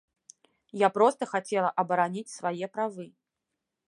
Я проста хацела абараніць свае правы.